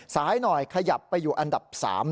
สายหน่อยขยับไปอยู่อันดับ๓